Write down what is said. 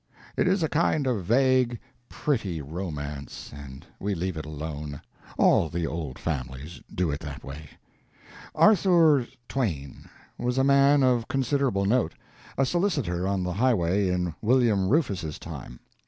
It is a kind of vague, pretty romance, and we leave it alone. All the old families do that way. Arthour Twain was a man of considerable note a solicitor on the highway in William Rufus's time.